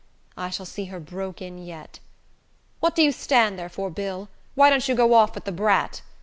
I shall see her broke in yet. What do you stand there for, Bill? Why don't you go off with the brat?